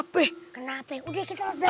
lu jangan pake bojoi